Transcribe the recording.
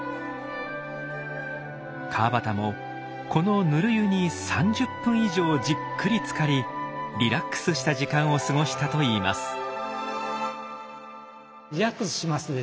川端もこのぬる湯に３０分以上じっくりつかりリラックスした時間を過ごしたといいます。